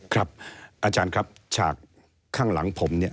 อาจารย์ครับฉากข้างหลังผมเนี่ย